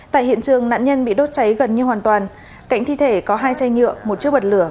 tại hiện trường nạn nhân bị đốt cháy gần như hoàn toàn cạnh thi thể có hai chai nhựa một chiếc bật lửa